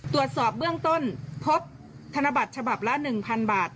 ตรวจสอบเบื้องต้นพบธนบัตรฉบับละ๑๐๐๐บาท